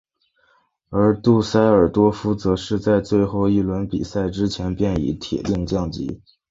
而杜塞尔多夫则是在最后一轮比赛之前便已铁定降级。